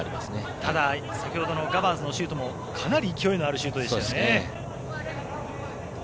ただ、先ほどのガバーズのシュートもかなり勢いのあるシュートでしたよね。